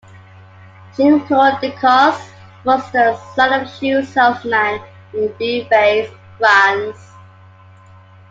Jean-Claude Decaux was the son of a shoe salesman in Beauvais, France.